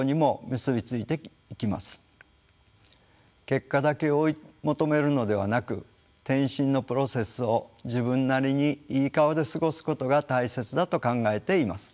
結果だけ追い求めるのではなく転身のプロセスを自分なりにいい顔で過ごすことが大切だと考えています。